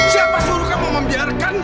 siapa suruh kamu membiarkan